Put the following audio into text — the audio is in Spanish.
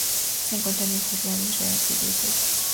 Se encuentra en Jordania Israel Siria y Turquía.